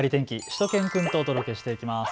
しゅと犬くんとお届けしていきます。